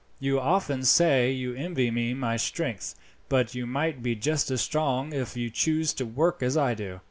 You often say you envy me my strength, but you might be just as strong if you chose to work as I do.